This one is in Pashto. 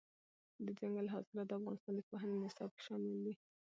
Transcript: دځنګل حاصلات د افغانستان د پوهنې نصاب کې شامل دي.